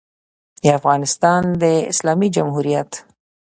د افغانستان د اسلامي جمهوریت